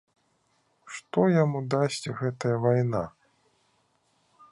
Што яму дасць гэтая вайна?